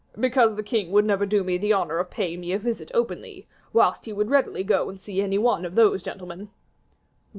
"Because the king would never do me the honor of paying me a visit openly, whilst he would readily go and see any one of those gentlemen."